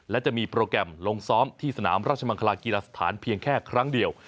และจะมีโปรแกรมลงซ้อมที่สนามราชมังคลากีฬาสถานเพียงแค่ครั้งเดียว